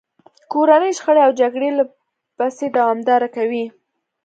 کورنۍ شخړې او جګړې لا پسې دوامداره کوي.